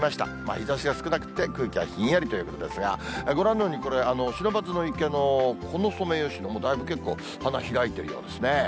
日ざしが少なくて、空気はひんやりということですが、ご覧のように、これ、不忍池のこのソメイヨシノ、だいぶ結構花開いているようですね。